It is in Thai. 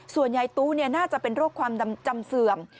ส่วนยายตู้น่าจะเป็นโรคความจำเสื่อม